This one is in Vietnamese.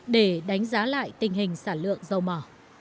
để đánh giá lại tình hình sản lượng dầu mỏ